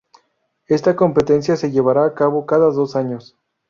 Esta competencia se llevará a cabo cada dos años.